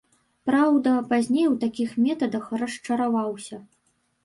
Праўда, пазней у такіх метадах расчараваўся.